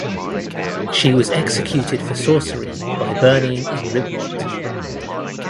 She was executed for sorcery by burning in Ribemont.